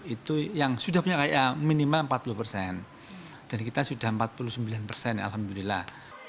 itu yang sudah punya kaya minimal empat puluh persen dan kita sudah empat puluh sembilan persen alhamdulillah